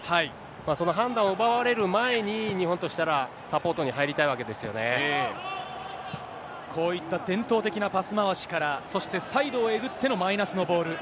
その判断を奪われる前に、日本としたら、サポートに入りたいわけこういった伝統的なパス回しから、そしてサイドをえぐってのマイナスのボール。